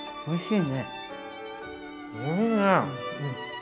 おいしいね！